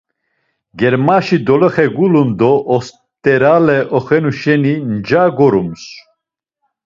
Germaşi doloxe gulun do osterale oxenu şeni nca gorums.